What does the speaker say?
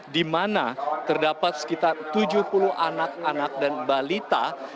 di mana terdapat sekitar tujuh puluh anak anak dan balita